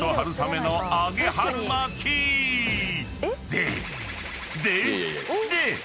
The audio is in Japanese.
ででで］